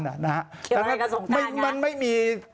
เกี่ยวอะไรกับสงการนะครับมันไม่มี